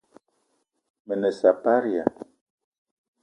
Me ne saparia !